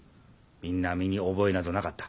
みんな身に覚えなぞなかった。